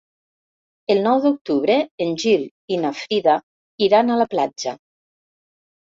El nou d'octubre en Gil i na Frida iran a la platja.